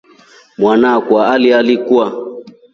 Mwana akwa alialikwa.